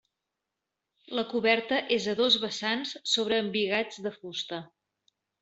La coberta és a dos vessant sobre embigats de fusta.